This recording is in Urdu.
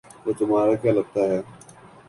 وہ تمہارا کیا لگتا ہے